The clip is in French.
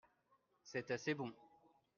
c'est assez bon.